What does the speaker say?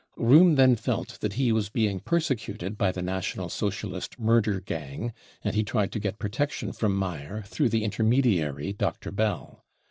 Rohm then felt that he was being persecuted by the National Socialist murder gang, and he tried to get pro tection from Mayr through the intermediary Dr. Bell.